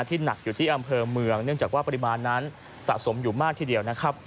หนักอยู่ที่อำเภอเมืองเนื่องจากว่าปริมาณนั้นสะสมอยู่มากทีเดียวนะครับ